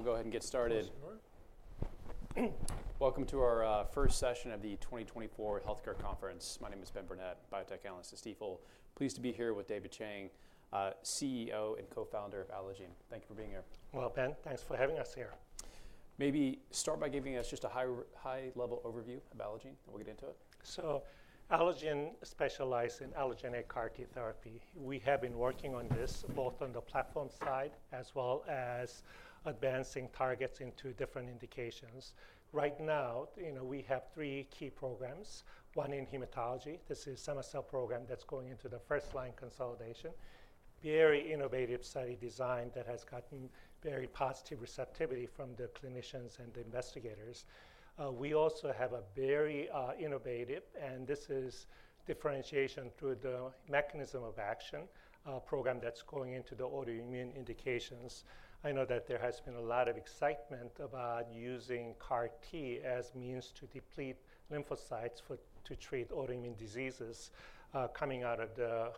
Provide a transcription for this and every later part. All right, we'll go ahead and get started. Thanks, everyone. Welcome to our first session of the 2024 Healthcare Conference. My name is Ben Burnett, biotech analyst at Stifel. Pleased to be here with David Chang, CEO and co-founder of Allogene. Thank you for being here. Ben, thanks for having us here. Maybe start by giving us just a high-level overview of Allogene, and we'll get into it. Allogene specializes in allogeneic CAR T therapy. We have been working on this, both on the platform side as well as advancing targets into different indications. Right now, we have three key programs. One in hematology. This is a cema-cel program that's going into the first-line consolidation. Very innovative study design that has gotten very positive receptivity from the clinicians and the investigators. We also have a very innovative, and this is differentiation through the mechanism of action program that's going into the autoimmune indications. I know that there has been a lot of excitement about using CAR T as a means to deplete lymphocytes to treat autoimmune diseases coming out of the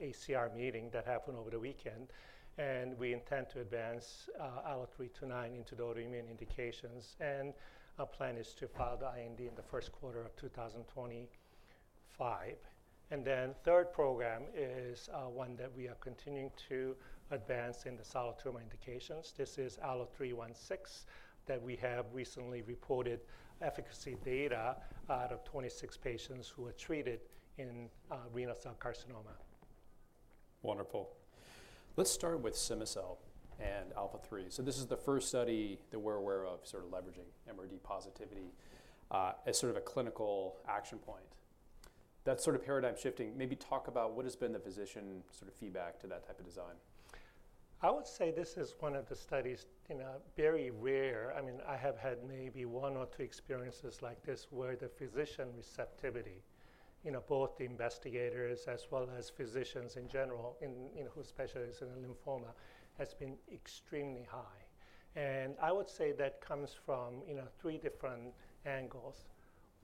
ACR meeting that happened over the weekend. And we intend to advance ALLO-329 into the autoimmune indications. And our plan is to file the IND in the first quarter of 2025. And then the third program is one that we are continuing to advance in the solid tumor indications. This is ALLO-316 that we have recently reported efficacy data out of 26 patients who are treated in renal cell carcinoma. Wonderful. Let's start with cema-cel and ALPHA3. So this is the first study that we're aware of sort of leveraging MRD positivity as sort of a clinical action point. That sort of paradigm shifting, maybe talk about what has been the physician sort of feedback to that type of design. I would say this is one of the very rare studies. I mean, I have had maybe one or two experiences like this where the physician receptivity, both the investigators as well as physicians in general who specialize in lymphoma, has been extremely high. And I would say that comes from three different angles.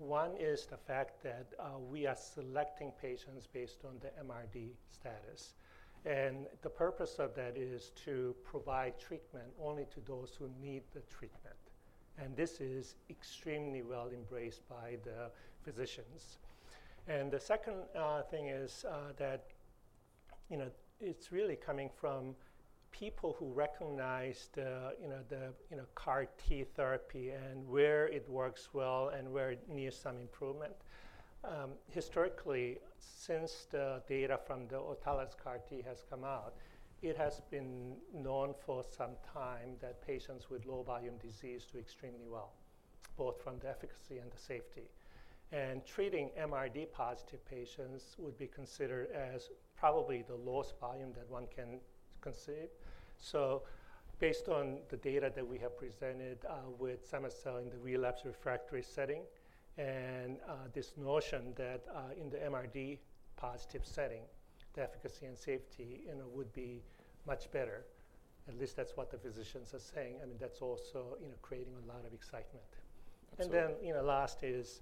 One is the fact that we are selecting patients based on the MRD status. And the purpose of that is to provide treatment only to those who need the treatment. And this is extremely well embraced by the physicians. And the second thing is that it's really coming from people who recognize the CAR T therapy and where it works well and where it needs some improvement. Historically, since the data from the autologous CAR T has come out, it has been known for some time that patients with low volume disease do extremely well, both from the efficacy and the safety, and treating MRD positive patients would be considered as probably the lowest volume that one can consider, so based on the data that we have presented with cema-cel in the relapse refractory setting and this notion that in the MRD positive setting, the efficacy and safety would be much better. At least that's what the physicians are saying. I mean, that's also creating a lot of excitement, and then last is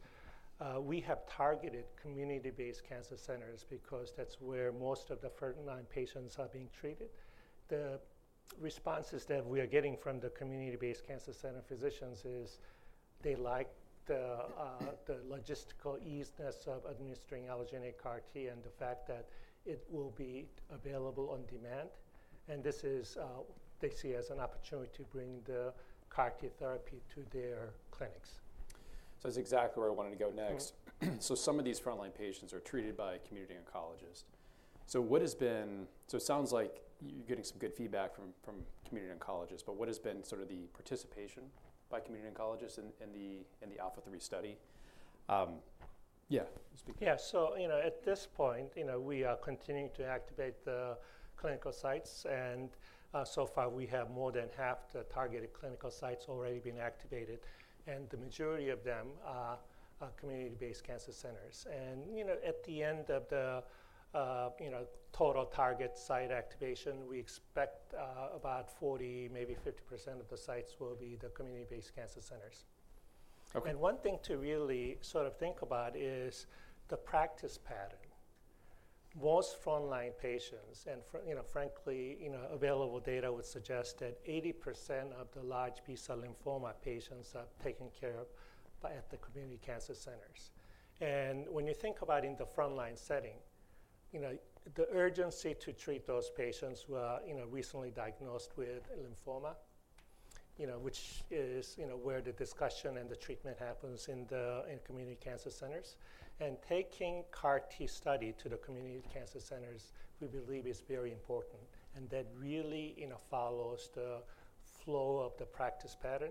we have targeted community-based cancer centers because that's where most of the 39 patients are being treated. The responses that we are getting from the community-based cancer center physicians is they like the logistical easiness of administering allogeneic CAR T and the fact that it will be available on demand, and this is they see as an opportunity to bring the CAR T therapy to their clinics. So that's exactly where I wanted to go next. So some of these frontline patients are treated by a community oncologist. So what has been, it sounds like you're getting some good feedback from community oncologists, but what has been sort of the participation by community oncologists in the ALPHA3 study? Yeah, speak to that. Yeah, so at this point, we are continuing to activate the clinical sites. And so far, we have more than half the targeted clinical sites already been activated. And the majority of them are community-based cancer centers. And at the end of the total target site activation, we expect about 40, maybe 50% of the sites will be the community-based cancer centers. And one thing to really sort of think about is the practice pattern. Most frontline patients, and frankly, available data would suggest that 80% of the large B-cell lymphoma patients are taken care of at the community cancer centers. And when you think about in the frontline setting, the urgency to treat those patients who are recently diagnosed with lymphoma, which is where the discussion and the treatment happens in the community cancer centers. Taking CAR T study to the community cancer centers, we believe, is very important. That really follows the flow of the practice pattern,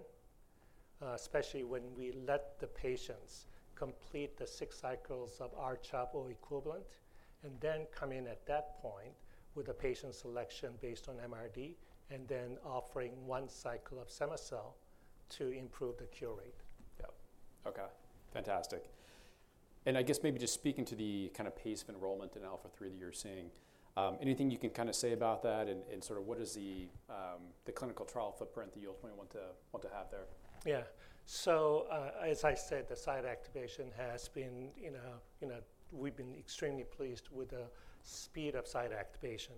especially when we let the patients complete the six cycles of R-CHOP or equivalent, and then come in at that point with the patient selection based on MRD, and then offering one cycle of cema-cel to improve the cure rate. Yeah. Okay. Fantastic. And I guess maybe just speaking to the kind of paced enrollment in ALPHA3 that you're seeing, anything you can kind of say about that and sort of what is the clinical trial footprint that you ultimately want to have there? Yeah. So as I said, we've been extremely pleased with the speed of site activation.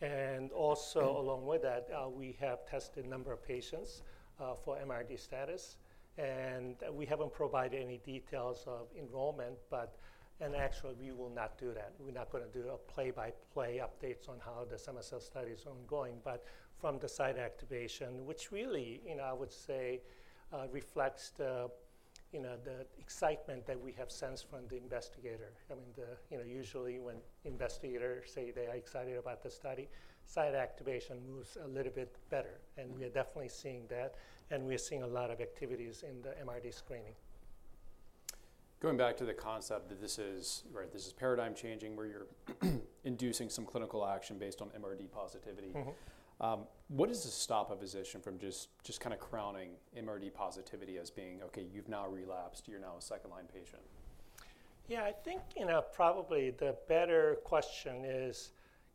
And also along with that, we have tested a number of patients for MRD status. And we haven't provided any details of enrollment, but actually, we will not do that. We're not going to do a play-by-play updates on how the cema-cel study is ongoing. But from the site activation, which really, I would say, reflects the excitement that we have sensed from the investigator. I mean, usually when investigators say they are excited about the study, site activation moves a little bit better. And we are definitely seeing that. And we are seeing a lot of activities in the MRD screening. Going back to the concept that this is paradigm changing where you're inducing some clinical action based on MRD positivity, what does this stop a physician from just kind of crowning MRD positivity as being, okay, you've now relapsed, you're now a second-line patient? Yeah, I think probably the better question is,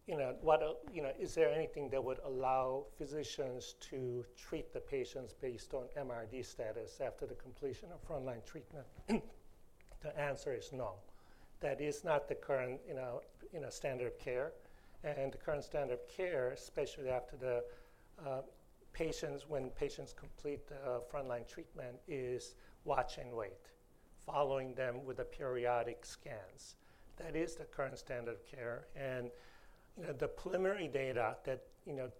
is there anything that would allow physicians to treat the patients based on MRD status after the completion of frontline treatment? The answer is no. That is not the current standard of care. And the current standard of care, especially after the patients, when patients complete the frontline treatment, is watch and wait, following them with the periodic scans. That is the current standard of care. And the preliminary data that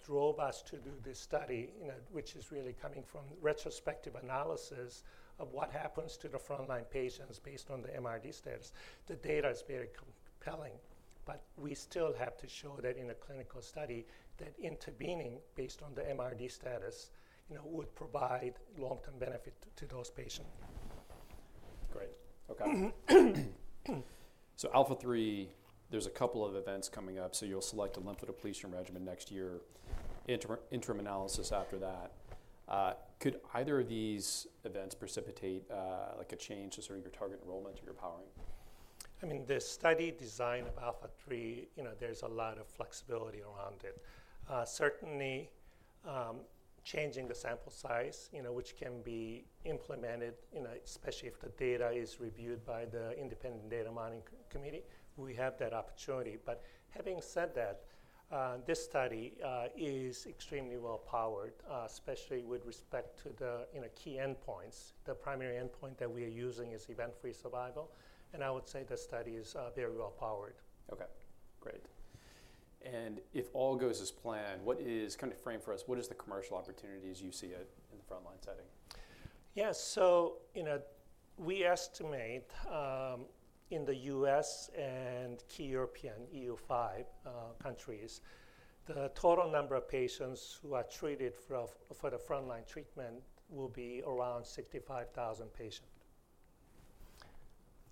drove us to do this study, which is really coming from retrospective analysis of what happens to the frontline patients based on the MRD status, the data is very compelling. But we still have to show that in a clinical study that intervening based on the MRD status would provide long-term benefit to those patients. Great. Okay. So ALPHA3, there's a couple of events coming up. So you'll select a lymphodepletion regimen next year, interim analysis after that. Could either of these events precipitate a change to sort of your target enrollment or your powering? I mean, the study design of ALPHA3, there's a lot of flexibility around it. Certainly, changing the sample size, which can be implemented, especially if the data is reviewed by the independent data monitoring committee, we have that opportunity. But having said that, this study is extremely well-powered, especially with respect to the key endpoints. The primary endpoint that we are using is event-free survival, and I would say the study is very well-powered. Okay. Great. And if all goes as planned, what is kind of timeframe for us, what is the commercial opportunities you see in the frontline setting? Yeah. So we estimate in the U.S. and key European EU5 countries, the total number of patients who are treated for the frontline treatment will be around 65,000 patients.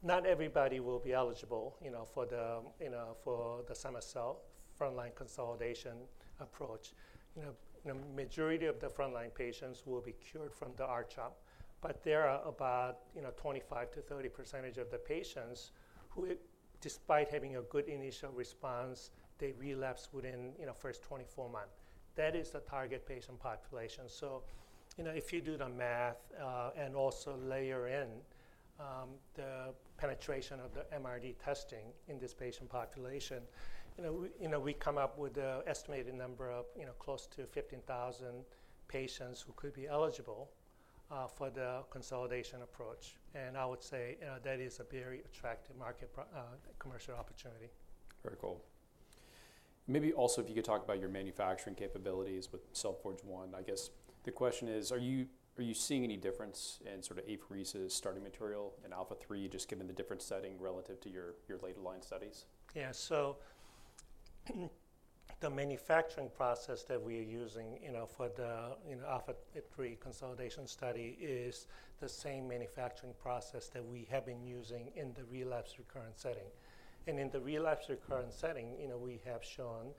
Not everybody will be eligible for the cema-cel frontline consolidation approach. The majority of the frontline patients will be cured from the R-CHOP. But there are about 25% to 30% of the patients who, despite having a good initial response, they relapse within the first 24 months. That is the target patient population. So if you do the math and also layer in the penetration of the MRD testing in this patient population, we come up with an estimated number of close to 15,000 patients who could be eligible for the consolidation approach. And I would say that is a very attractive market commercial opportunity. Very cool. Maybe also if you could talk about your manufacturing capabilities with Cell Forge 1, I guess the question is, are you seeing any difference in sort of apheresis starting material in ALPHA3, just given the different setting relative to your later line studies? Yeah. The manufacturing process that we are using for the ALPHA3 consolidation study is the same manufacturing process that we have been using in the relapse recurrent setting. In the relapse recurrent setting, we have shown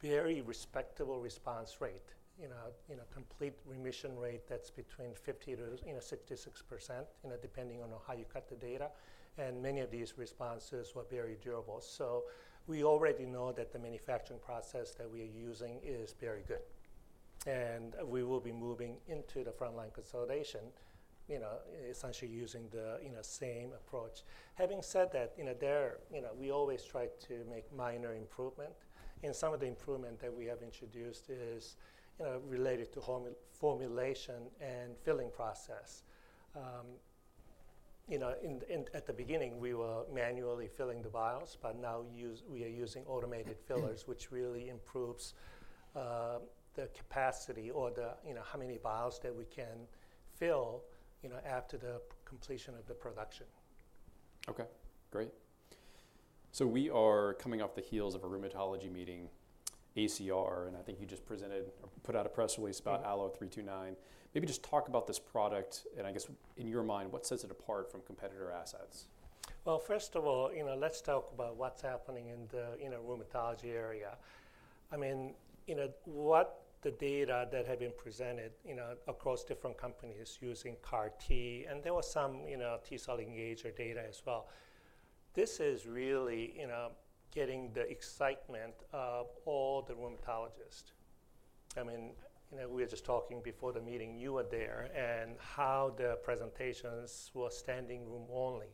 very respectable response rate, complete remission rate that's between 50%-66%, depending on how you cut the data. Many of these responses were very durable. We already know that the manufacturing process that we are using is very good. We will be moving into the frontline consolidation, essentially using the same approach. Having said that, we always try to make minor improvement. Some of the improvement that we have introduced is related to formulation and filling process. At the beginning, we were manually filling the vials, but now we are using automated fillers, which really improves the capacity or how many vials that we can fill after the completion of the production. Okay. Great. So we are coming off the heels of a rheumatology meeting, ACR, and I think you just presented or put out a press release about ALLO-329. Maybe just talk about this product. And I guess in your mind, what sets it apart from competitor assets? First of all, let's talk about what's happening in the rheumatology area. I mean, what the data that have been presented across different companies using CAR T, and there were some T-cell engager data as well. This is really getting the excitement of all the rheumatologists. I mean, we were just talking before the meeting, you were there, and how the presentations were standing room only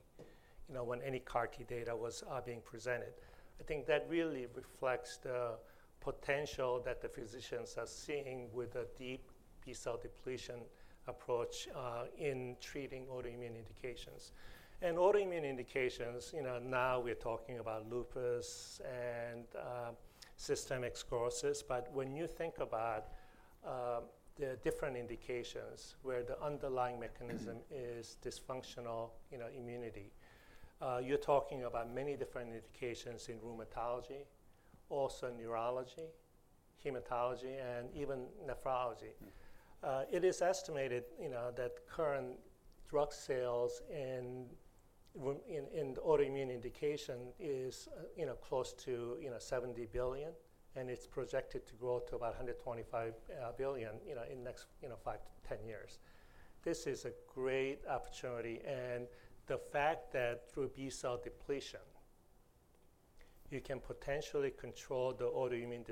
when any CAR T data was being presented. I think that really reflects the potential that the physicians are seeing with a deep B-cell depletion approach in treating autoimmune indications. Autoimmune indications, now we're talking about lupus and systemic sclerosis. When you think about the different indications where the underlying mechanism is dysfunctional immunity, you're talking about many different indications in rheumatology, also neurology, hematology, and even nephrology. It is estimated that current drug sales in autoimmune indication is close to $70 billion. And it's projected to grow to about $125 billion in the next five to 10 years. This is a great opportunity, and the fact that through B-cell depletion, you can potentially control the autoimmune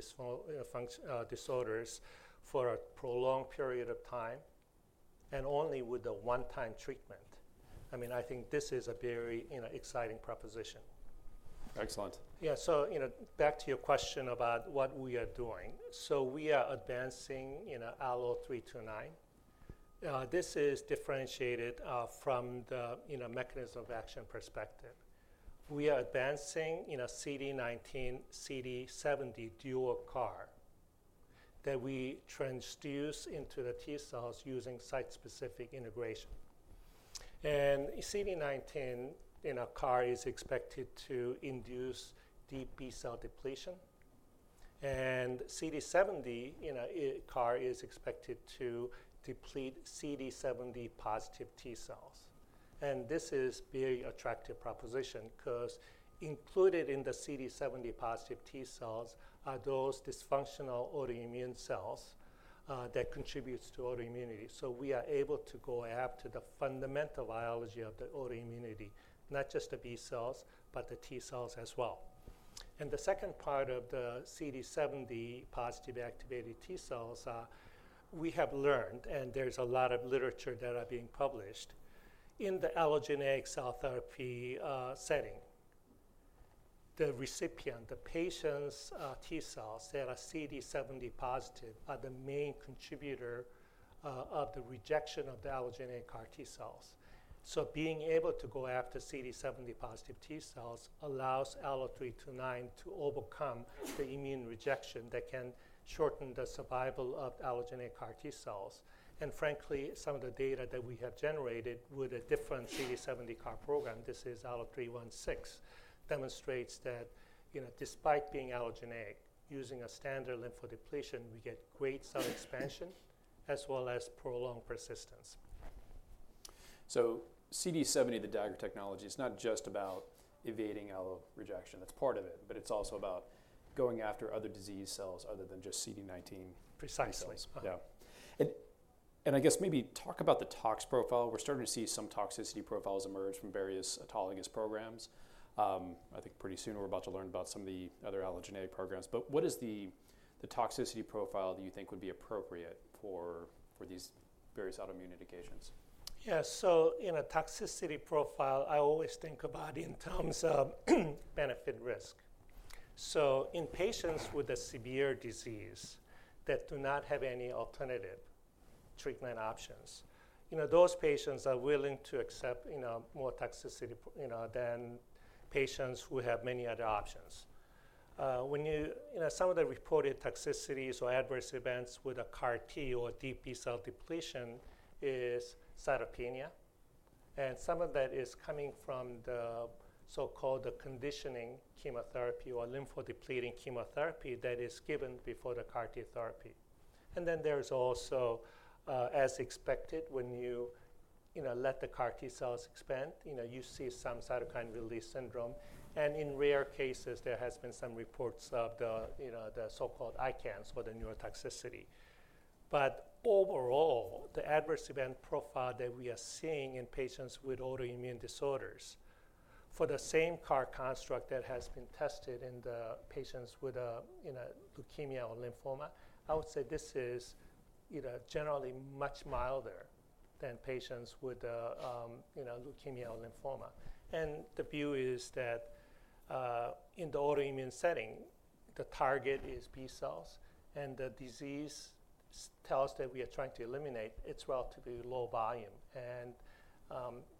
disorders for a prolonged period of time and only with a one-time treatment. I mean, I think this is a very exciting proposition. Excellent. Yeah. So back to your question about what we are doing. So we are advancing ALLO-329. This is differentiated from the mechanism of action perspective. We are advancing CD19, CD70 dual CAR that we transduce into the T-cells using site-specific integration. And CD19 CAR is expected to induce deep B-cell depletion. And CD70 CAR is expected to deplete CD70 positive T-cells. And this is a very attractive proposition because included in the CD70 positive T-cells are those dysfunctional autoimmune cells that contribute to autoimmunity. So we are able to go after the fundamental biology of the autoimmunity, not just the B-cells, but the T-cells as well. The second part of the CD70 positive activated T-cells are, we have learned, and there's a lot of literature that are being published, in the allogeneic cell therapy setting, the recipient, the patient's T-cells that are CD70 positive are the main contributor of the rejection of the allogeneic CAR T-cells. Being able to go after CD70 positive T-cells allows ALLO-329 to overcome the immune rejection that can shorten the survival of allogeneic CAR T-cells. Frankly, some of the data that we have generated with a different CD70 CAR program, this is ALLO-316, demonstrates that despite being allogeneic, using a standard lymphodepletion, we get great cell expansion as well as prolonged persistence. So CD70, the Dagger technology, it's not just about evading Allo rejection. That's part of it. But it's also about going after other disease cells other than just CD19. Precisely. Yeah. And I guess maybe talk about the tox profile. We're starting to see some toxicity profiles emerge from various autologous programs. I think pretty soon we're about to learn about some of the other allogeneic programs. But what is the toxicity profile that you think would be appropriate for these various autoimmune indications? Yeah. So in a toxicity profile, I always think about it in terms of benefit-risk. So in patients with a severe disease that do not have any alternative treatment options, those patients are willing to accept more toxicity than patients who have many other options. Some of the reported toxicities or adverse events with a CAR T or deep B-cell depletion is cytopenia. And some of that is coming from the so-called conditioning chemotherapy or lymphodepleting chemotherapy that is given before the CAR T therapy. And then there's also, as expected, when you let the CAR T-cells expand, you see some cytokine release syndrome. And in rare cases, there has been some reports of the so-called ICANS for the neurotoxicity. But overall, the adverse event profile that we are seeing in patients with autoimmune disorders for the same CAR construct that has been tested in the patients with leukemia or lymphoma, I would say this is generally much milder than patients with leukemia or lymphoma. And the view is that in the autoimmune setting, the target is B-cells. And the diseased cells that we are trying to eliminate, it's relatively low volume. And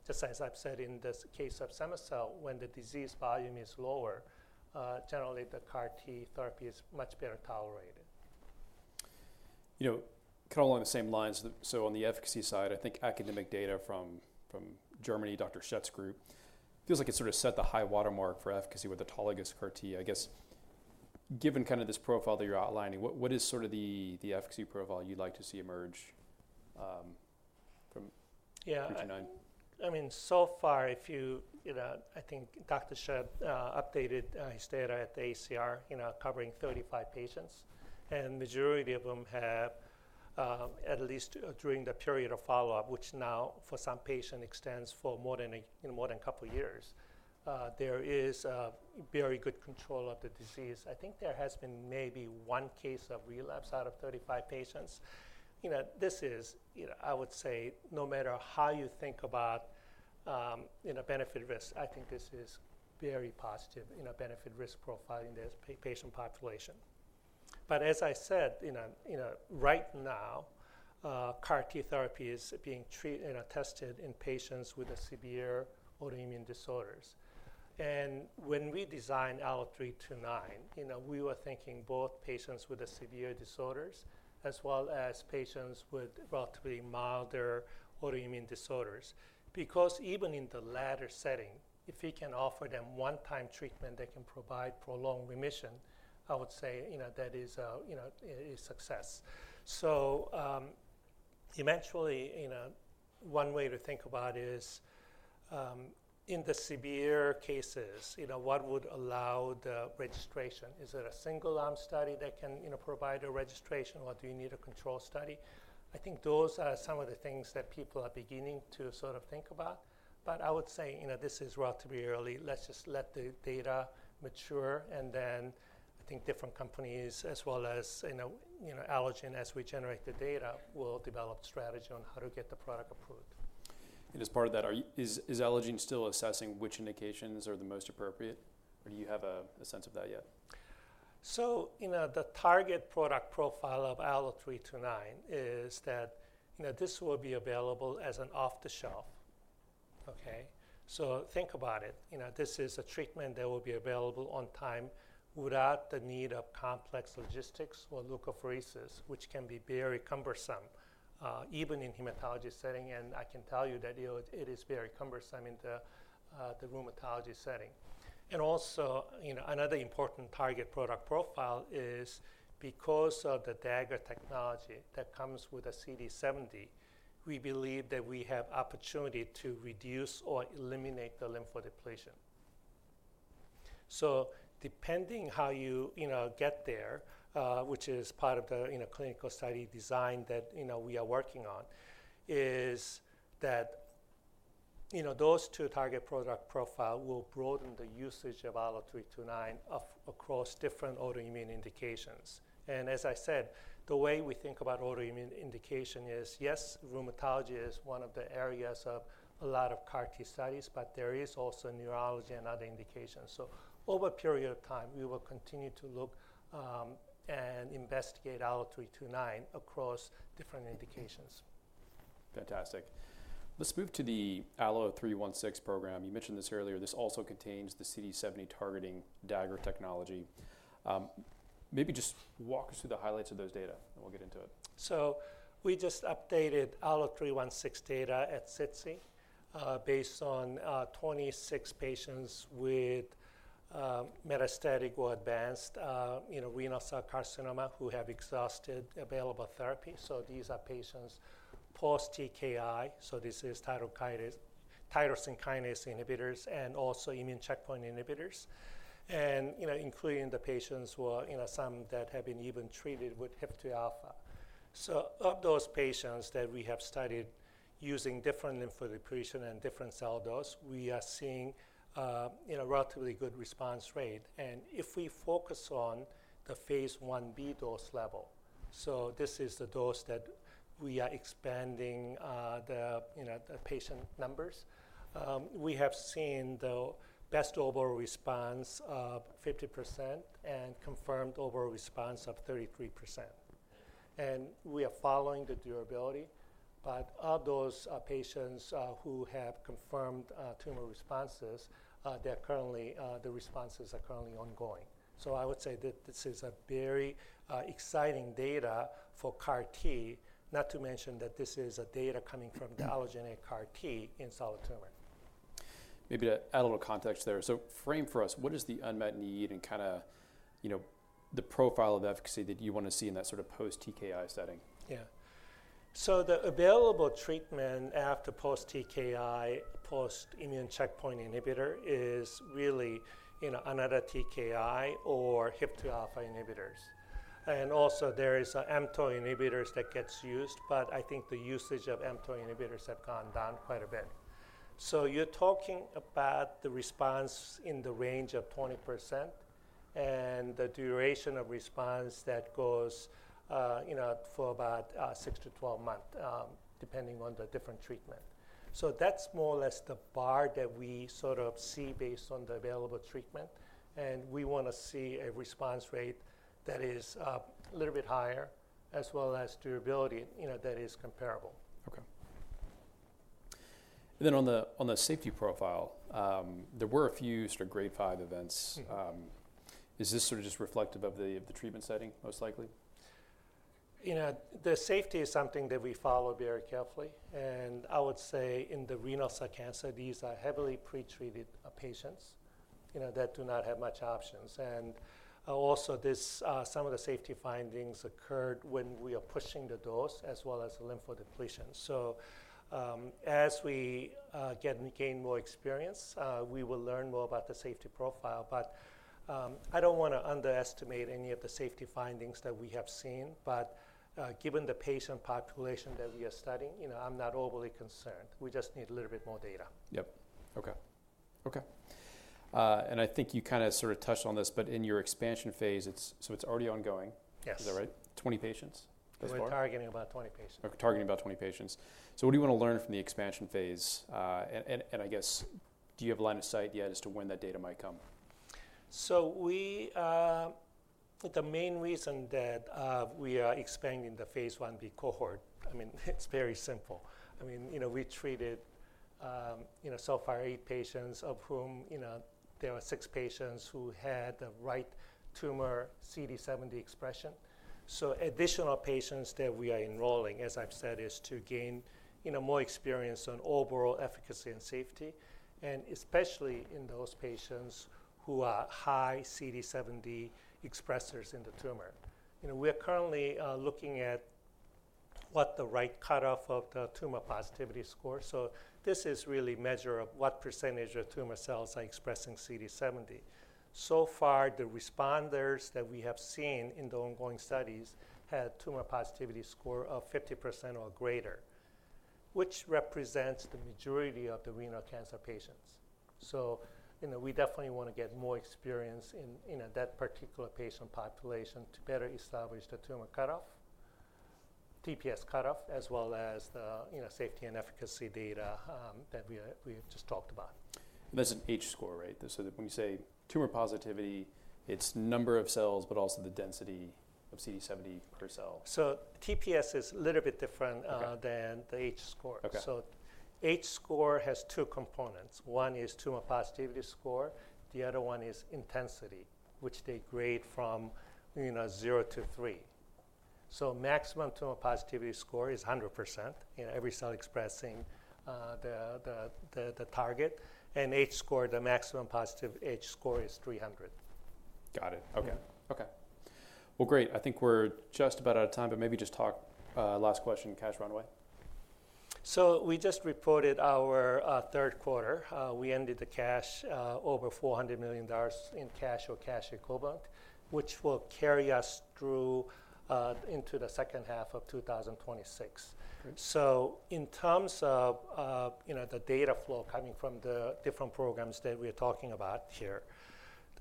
just as I've said in the case of cema-cel, when the disease volume is lower, generally the CAR T therapy is much better tolerated. Kind of along the same lines, so on the efficacy side, I think academic data from Germany, Dr. Schett's group, feels like it sort of set the high watermark for efficacy with autologous CAR T. I guess given kind of this profile that you're outlining, what is sort of the efficacy profile you'd like to see emerge from 329? Yeah. I mean, so far, I think Dr. Schett updated his data at the ACR covering 35 patients, and the majority of them have, at least during the period of follow-up, which now for some patients extends for more than a couple of years, there is very good control of the disease. I think there has been maybe one case of relapse out of 35 patients. This is, I would say, no matter how you think about benefit-risk, I think this is very positive benefit-risk profile in this patient population, but as I said, right now, CAR T therapy is being tested in patients with severe autoimmune disorders, and when we designed ALLO-329, we were thinking both patients with severe disorders as well as patients with relatively milder autoimmune disorders. Because even in the latter setting, if we can offer them one-time treatment that can provide prolonged remission, I would say that is a success. So eventually, one way to think about it is in the severe cases, what would allow the registration? Is it a single-arm study that can provide a registration? Or do you need a control study? I think those are some of the things that people are beginning to sort of think about. But I would say this is relatively early. Let's just let the data mature. And then I think different companies as well as Allogene, as we generate the data, will develop strategy on how to get the product approved. And as part of that, is Allogene still assessing which indications are the most appropriate? Or do you have a sense of that yet? So the target product profile of ALLO-329 is that this will be available as an off-the-shelf. Okay? So think about it. This is a treatment that will be available on time without the need of complex logistics or leukapheresis, which can be very cumbersome even in hematology setting. And I can tell you that it is very cumbersome in the rheumatology setting. And also, another important target product profile is because of the Dagger technology that comes with the CD70, we believe that we have the opportunity to reduce or eliminate the lymphodepletion. So depending on how you get there, which is part of the clinical study design that we are working on, is that those two target product profiles will broaden the usage of ALLO-329 across different autoimmune indications. And as I said, the way we think about autoimmune indication is, yes, rheumatology is one of the areas of a lot of CAR T studies, but there is also neurology and other indications. So over a period of time, we will continue to look and investigate ALLO-329 across different indications. Fantastic. Let's move to the ALLO-316 program. You mentioned this earlier. This also contains the CD70 targeting Dagger technology. Maybe just walk us through the highlights of those data, and we'll get into it. So we just updated ALLO-316 data at SITC based on 26 patients with metastatic or advanced renal cell carcinoma who have exhausted available therapy. So these are patients post-TKI. So this is tyrosine kinase inhibitors and also immune checkpoint inhibitors, including the patients who are some that have been even treated with HIF-2 alpha. So of those patients that we have studied using different lymphodepletion and different cell dose, we are seeing a relatively good response rate. And if we focus on the phase 1b dose level, so this is the dose that we are expanding the patient numbers, we have seen the best overall response of 50% and confirmed overall response of 33%. And we are following the durability. But of those patients who have confirmed tumor responses, the responses are currently ongoing. So I would say that this is very exciting data for CAR T, not to mention that this is data coming from the allogeneic CAR T in solid tumor. Maybe to add a little context there, so frame for us, what is the unmet need and kind of the profile of efficacy that you want to see in that sort of post-TKI setting? Yeah. So the available treatment after post-TKI, post-immune checkpoint inhibitor, is really another TKI or HIF-2 alpha inhibitors. And also, there are mTOR inhibitors that get used. But I think the usage of mTOR inhibitors has gone down quite a bit. So you're talking about the response in the range of 20% and the duration of response that goes for about 6-12 months, depending on the different treatment. So that's more or less the bar that we sort of see based on the available treatment. And we want to see a response rate that is a little bit higher as well as durability that is comparable. Okay. And then on the safety profile, there were a few sort of grade 5 events. Is this sort of just reflective of the treatment setting, most likely? The safety is something that we follow very carefully. And I would say in the renal cell carcinoma, these are heavily pretreated patients that do not have much options. And also, some of the safety findings occurred when we are pushing the dose as well as the lymphodepletion. So as we gain more experience, we will learn more about the safety profile. But I don't want to underestimate any of the safety findings that we have seen. But given the patient population that we are studying, I'm not overly concerned. We just need a little bit more data. Yep. Okay. Okay. And I think you kind of sort of touched on this. But in your expansion phase, so it's already ongoing. Yes. Is that right? 20 patients thus far? We're targeting about 20 patients. Okay. Targeting about 20 patients. So what do you want to learn from the expansion phase? And I guess, do you have a line of sight yet as to when that data might come? So the main reason that we are expanding the phase 1b cohort, I mean, it's very simple. I mean, we treated so far eight patients, of whom there were six patients who had the right tumor CD70 expression. So additional patients that we are enrolling, as I've said, is to gain more experience on overall efficacy and safety, and especially in those patients who are high CD70 expressors in the tumor. We are currently looking at what the right cutoff of the tumor positivity score. So this is really a measure of what percentage of tumor cells are expressing CD70. So far, the responders that we have seen in the ongoing studies had a tumor positivity score of 50% or greater, which represents the majority of the renal cancer patients. So we definitely want to get more experience in that particular patient population to better establish the tumor cutoff, TPS cutoff, as well as the safety and efficacy data that we have just talked about. That's an H-score, right? So when you say tumor positivity, it's number of cells, but also the density of CD70 per cell. TPS is a little bit different than the H-score. H-score has two components. One is tumor positivity score. The other one is intensity, which they grade from 0 to 3. Maximum tumor positivity score is 100%, every cell expressing the target. H-score, the maximum positive H-score is 300. Got it. Okay. Well, great. I think we're just about out of time. But maybe just the last question, cash runway. We just reported our third quarter. We ended with over $400 million in cash or cash equivalents, which will carry us through into the second half of 2026. In terms of the data flow coming from the different programs that we are talking about here,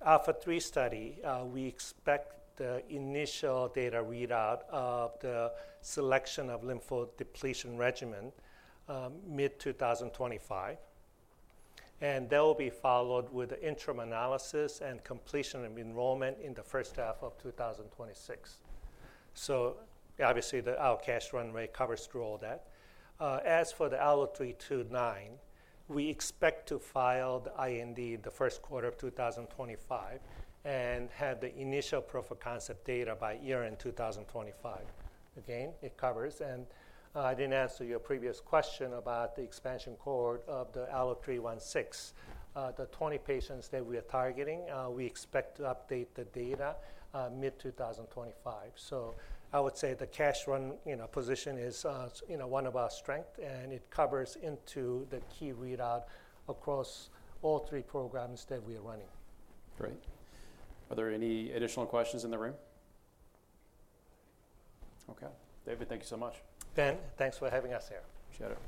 ALPHA3 study, we expect the initial data readout of the selection of lymphodepletion regimen mid-2025. That will be followed with interim analysis and completion of enrollment in the first half of 2026. Obviously, our cash runway covers through all that. As for the ALLO-329, we expect to file the IND the first quarter of 2025 and have the initial proof of concept data by year-end 2025. Again, it covers. I didn't answer your previous question about the expansion cohort of the ALLO-316. The 20 patients that we are targeting, we expect to update the data mid-2025. I would say the cash runway position is one of our strengths. It carries us into the key readouts across all three programs that we are running. Great. Are there any additional questions in the room? Okay. David, thank you so much. Ben, thanks for having us here. Appreciate it.